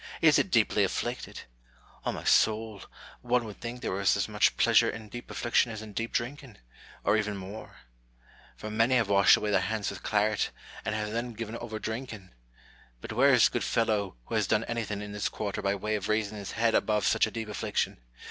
is it deeply afflicted ! O' my soul, one would think there was as much pleasure in deep affliction as in deep drinking, or even more : for many have washed away their lands with claret, and have then given over drinking ; but where is the good fellow who has done anything in this quarter by way of raising his head above such a deep affliction